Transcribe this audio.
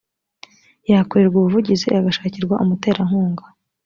yakorerwa ubuvugizi agashakirwa umuterankunga